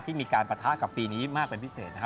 ที่มีการประทะกับปีนี้มากเป็นพิเศษนะครับ